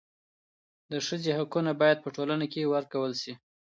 د ښځي حقونه باید په ټولنه کي ورکول سي.